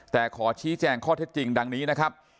แต่ขอชี้แจงข้อเท็จจริงดังนี้นะครับ